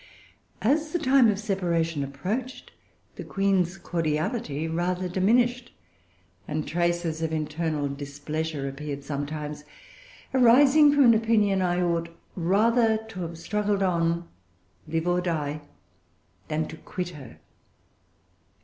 As the time of separation approached, the Queen's cordiality rather diminished, and traces of internal displeasure appeared sometimes, arising from an opinion I ought rather to have struggled on, live or die, than to quit her.